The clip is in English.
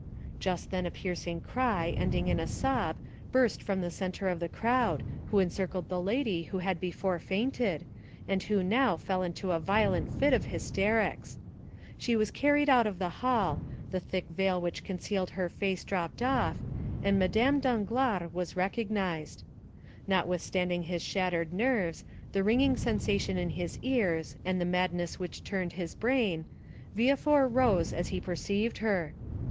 Just then a piercing cry, ending in a sob, burst from the centre of the crowd, who encircled the lady who had before fainted, and who now fell into a violent fit of hysterics. She was carried out of the hall, the thick veil which concealed her face dropped off, and Madame Danglars was recognized. Notwithstanding his shattered nerves, the ringing sensation in his ears, and the madness which turned his brain, Villefort rose as he perceived her.